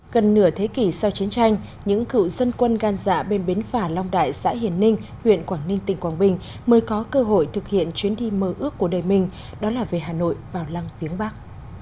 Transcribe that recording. gần nửa thế kỷ sau chiến tranh những cựu dân quân gan dạ bên bến phà long đại xã hiền ninh huyện quảng ninh tỉnh quảng bình mới có cơ hội thực hiện chuyến đi mơ ước của đời mình đó là về hà nội vào lăng viếng bắc